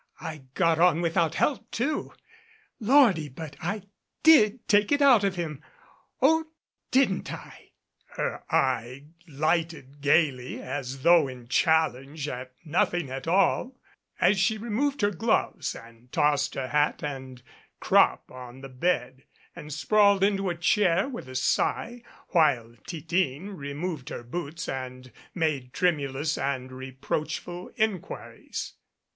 I got on without help, too. Lordy, but I did take it out of him ! Oh, didn't I !" Her eye lighted gayly as though in challenge at noth ing at all as she removed her gloves and tossed her hat and crop on the bed and sprawled into a chair with a sigh, while Titine removed her boots and made tremulous and reproachful inquiries.